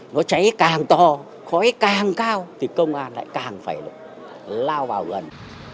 nó cháy càng to khói càng cao thì công an lại càng phải lao vào gần